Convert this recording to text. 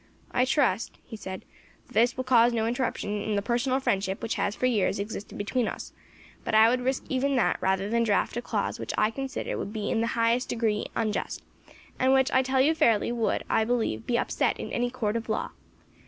"I trust," he said, "that this will cause no interruption in the personal friendship which has for years existed between us, but I would risk even that rather than draft a clause which I consider would be in the highest degree unjust, and which, I tell you fairly, would, I believe, be upset in any court of law.